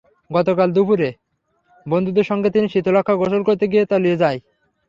গতকাল দুপুরে বন্ধুদের সঙ্গে তিনি শীতলক্ষ্যায় গোসল করতে গিয়ে তলিয়ে যায়।